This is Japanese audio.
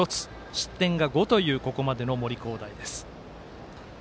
失点が５というここまでの森煌誠。